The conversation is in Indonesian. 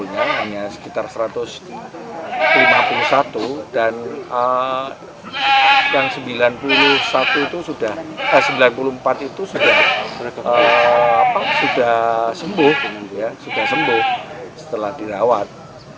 yang sembilan puluh satu itu sudah eh sembilan puluh empat itu sudah sembuh setelah dirawat